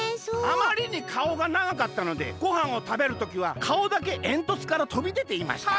「あまりにかおがながかったのでごはんをたべる時はかおだけえんとつからとびでていました」。